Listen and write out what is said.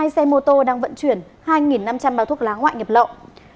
hai xe mô tô đang vận chuyển hai năm trăm linh bao thuốc lá ngoại nhập lậu